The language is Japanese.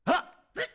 ブッ！